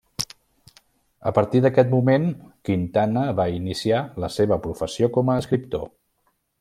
A partir d'aquest moment, Quintana va iniciar la seva professió com a escriptor.